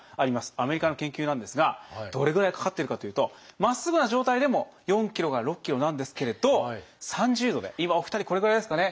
アメリカの研究なんですがどれぐらいかかっているかというとまっすぐな状態でも４ｋｇから６ｋｇなんですけれど３０度で今お二人これぐらいですかね。